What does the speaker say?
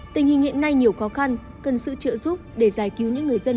tình hình hiện nay nhiều khó khăn cần sự trợ giúp để giải cứu những người dân